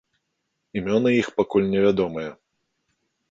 Імёны іх пакуль невядомыя.